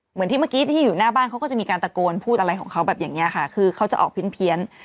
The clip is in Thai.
เหมือนที่เมื่อกี้ที่อยู่หน้าบ้านเขาก็จะมีการตะโกนพูดอะไรของเขาแบบอย่างนี้ค่ะคือเขาจะออกเพี้ยน